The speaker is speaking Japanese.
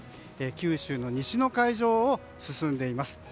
九州の西の海上を進んでいます。